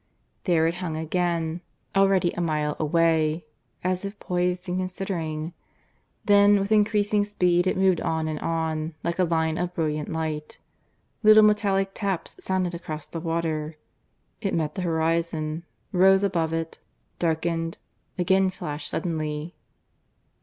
... There it hung again, already a mile away, as if poised and considering, then with increasing speed it moved on and on, like a line of brilliant light; little metallic taps sounded across the water; it met the horizon, rose above it, darkened, again flashed suddenly.